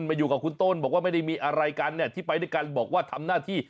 มาอยู่กับคุณต้นบอกว่าไม่ได้มีอะไรกันเนี่ยที่ไปด้วยกันบอกว่าทำหน้าที่